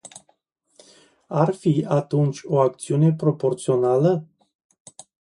Ar fi atunci o acțiune proporțională?